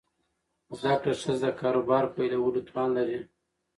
زده کړه ښځه د کاروبار پیلولو توان لري.